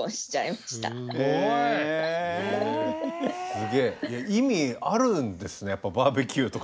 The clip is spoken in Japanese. すげえ意味あるんですねやっぱバーベキューとかって。